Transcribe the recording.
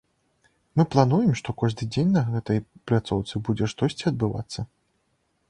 Мы плануем, што кожны дзень на гэтай пляцоўцы будзе штосьці адбывацца.